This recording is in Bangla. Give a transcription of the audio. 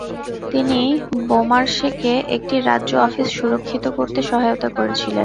তিনি বোমার্শেকে একটি রাজ্য অফিস সুরক্ষিত করতে সহায়তা করেছিলেন।